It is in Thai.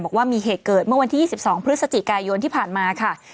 บอกว่ามีเหตุเกิดเมื่อวันที่๒๒พฤศจิกายนที่ผ่านมาค่ะ